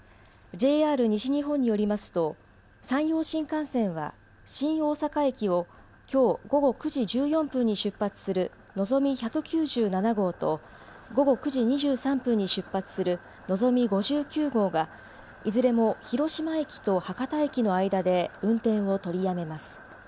ＪＲ西日本によりますと山陽新幹線は新大阪駅をきょう午後９時１４分に出発するのぞみ１９７号と午後９時２３分に出発するのぞみ５９号が、いずれも広島駅と博多駅の間で運転を取りやめます。